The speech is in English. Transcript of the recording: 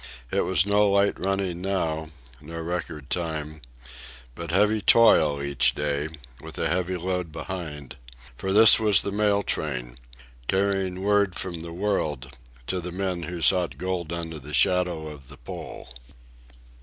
It was no light running now, nor record time, but heavy toil each day, with a heavy load behind; for this was the mail train, carrying word from the world to the men who sought gold under the shadow of the Pole.